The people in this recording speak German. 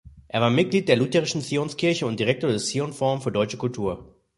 Er war Mitglied der lutherischen Zionskirche und Direktor des "Zion Forum für deutsche Kultur".